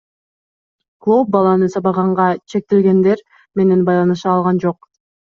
Клооп баланы сабаганга шектелгендер менен байланыша алган жок.